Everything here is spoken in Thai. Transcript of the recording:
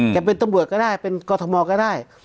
จะเป็นตำรวจก็ได้เป็นกรทมก็ได้